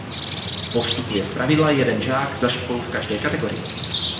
Postupuje zpravidla jeden žák za školu v každé kategorii.